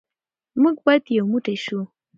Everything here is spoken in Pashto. موږ باید یو موټی شو.